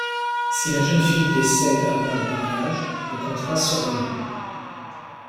Si la jeune fille décède avant le mariage le contrat sera nul.